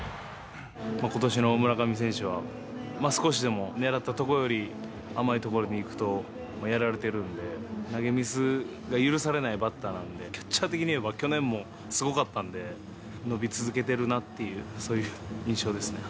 ことしの村上選手は、少しでも狙った所より甘いところにいくとやられてるんで、投げミスが許されないバッターなんで、キャッチャー的にいえば去年もすごかったんで、伸び続けてるなっ